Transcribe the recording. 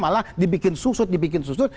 malah dibikin susut dibikin susun